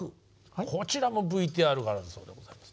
こちらもＶＴＲがあるそうでございます。